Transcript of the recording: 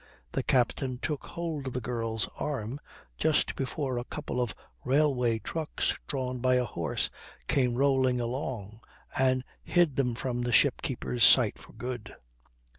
The captain took hold of the girl's arm just before a couple of railway trucks drawn by a horse came rolling along and hid them from the ship keeper's sight for good.